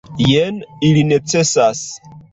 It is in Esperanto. Jen, ili necesas.